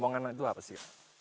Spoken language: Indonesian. gunung lemongan itu apa sih